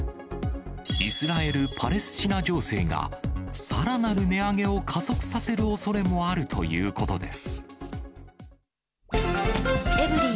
イスラエル・パレスチナ情勢が、さらなる値上げを加速させるおそれもあるということです。